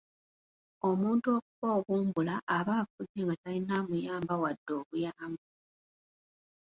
Omuntu okufa obumbula aba afudde nga talina amuyamba wadde obuyambi.